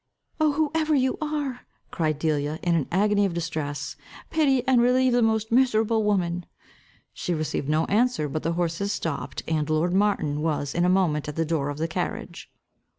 "Oh, whoever you are," cried Delia, in an agony of distress, "pity and relieve the most miserable woman'" She received no answer, but the horses stopped, and lord Martin was in a moment at the door of the carriage.